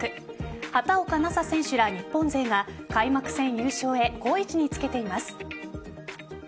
畑岡奈紗選手ら日本勢が開幕戦優勝へ好位置につけています。